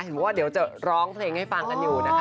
ว่าเดี๋ยวจะร้องเพลงให้ฟังกันอยู่นะคะ